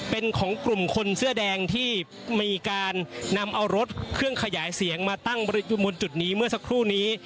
เป็นของกลุ่มคนเสื้อแดงที่มีการนำเอารถเครื่องขยายเสียงมาตั้งอยู่บนจุดนี้เมื่อสักครู่นี้